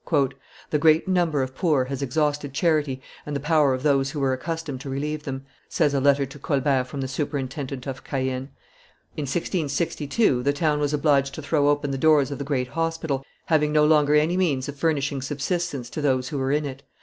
"The great number of poor has exhausted charity and the power of those who were accustomed to relieve them," says a letter to Colbert from the superintendent of Caen. "In 1662 the town was obliged to throw open the doors of the great hospital, having no longer any means of furnishing subsistence to those who were in it.